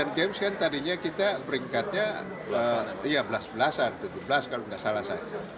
asean games kan tadinya kita peringkatnya belas belasan tujuh belas kalau tidak salah saya